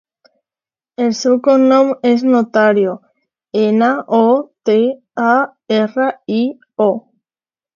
El seu cognom és Notario: ena, o, te, a, erra, i, o.